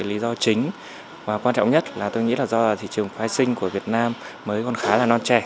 lý do chính và quan trọng nhất là tôi nghĩ là do thị trường phái sinh của việt nam mới còn khá là non trẻ